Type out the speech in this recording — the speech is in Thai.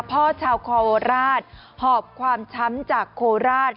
พ่อชาวโคราชหอบความช้ำจากโคราช